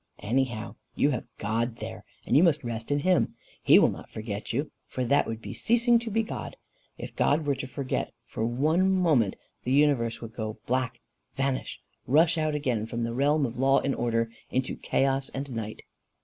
"Anyhow, you have God there, and you must rest in him. He will not forget you, for that would be ceasing to be God. If God were to forget for one moment, the universe would grow black vanish rush out again from the realm of law and order into chaos and night."